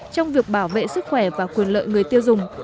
trong việc bảo vệ sức khỏe và quyền lợi người tiêu dùng